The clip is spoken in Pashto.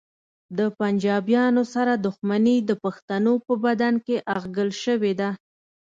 د پنجابیانو سره دښمني د پښتنو په بدن کې اغږل شوې ده